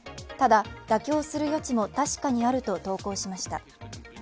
ただ、妥協する余地も確かにあると投稿しました。